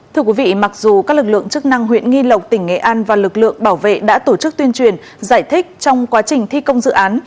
thưa quý vị mặc dù các lực lượng chức năng huyện nghi lộc tỉnh nghệ an và lực lượng bảo vệ đã tổ chức tuyên truyền giải thích trong quá trình thi công dự án